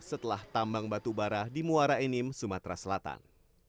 setelah tambang batu bara di muara enim sumatera selatan